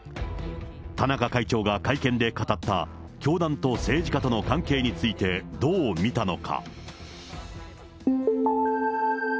田中会長が会見で語った、教団と政治家との関係についてどう見たのか。